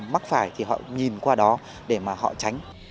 mắc phải thì họ nhìn qua đó để mà họ tránh